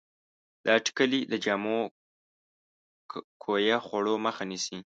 دا ټېکلې د جامو کویه خوړو مخه نیسي.